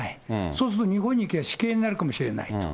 そうすると日本に行けば死刑になるかもしれないと。